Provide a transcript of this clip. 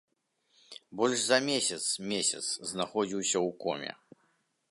Больш за месяц месяц знаходзіўся ў коме.